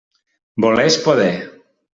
Voler és poder.